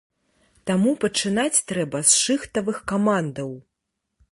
Таму пачынаць трэба з шыхтавых камандаў.